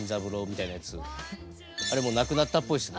あれもうなくなったっぽいですね。